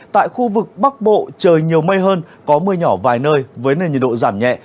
tại khu vực bắc bộ trời nhiều mây hơn có mưa nhỏ vài nơi với nền nhiệt độ giảm nhẹ